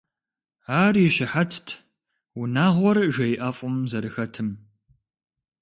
Ар и щыхьэтт унагъуэр жей ӀэфӀым зэрыхэтым.